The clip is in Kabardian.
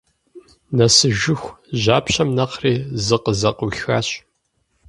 Нэсыжыху жьапщэм нэхъри зыкъызэкъуихащ.